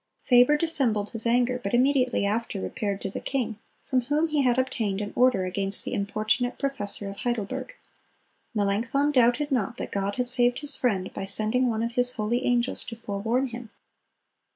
"Faber dissembled his anger, but immediately after repaired to the king, from whom he had obtained an order against the importunate professor of Heidelberg. Melanchthon doubted not that God had saved his friend by sending one of His holy angels to forewarn him.